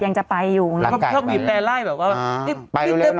ยังจะไปอยู่แล้วก็บีบแตรไร้แบบว่า